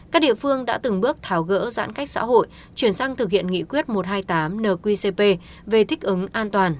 các địa phương đã từng bước tháo gỡ giãn cách xã hội chuyển sang thực hiện nghị quyết một trăm hai mươi tám nqcp về thích ứng an toàn